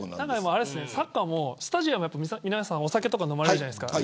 サッカーもスタジアムで皆さんお酒飲まれるじゃないですか。